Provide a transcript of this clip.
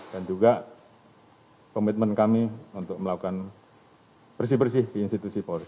dan juga komitmen kami untuk melakukan bersih bersih di institusi polis